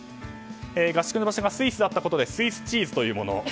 合宿の場所がスイスだったことでスイスチーズというもの。